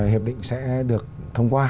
hiệp định sẽ được thông qua